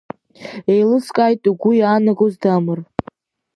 Еилыскааит угәы иаанагаз, Дамыр.